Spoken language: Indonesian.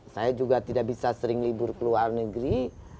saya juga tidak bisa sering libur ke luar negeri